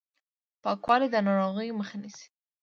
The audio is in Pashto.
پاکوالی د ناروغیو مخه نیسي.